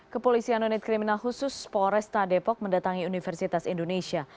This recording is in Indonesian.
kepolisian unit kriminal khusus polresta depok mendatangi universitas indonesia